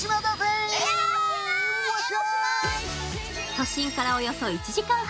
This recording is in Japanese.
都心からおよそ１時間半。